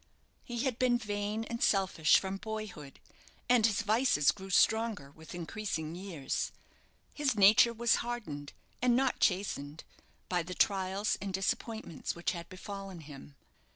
He had been vain and selfish from boyhood, and his vices grew stronger with increasing years. His nature was hardened, and not chastened, by the trials and disappointments which had befallen him.